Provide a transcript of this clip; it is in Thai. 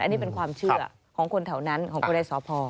อันนี้เป็นความเชื่อของคนแถวนั้นของคนในสพ